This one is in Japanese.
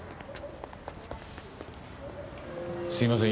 すいません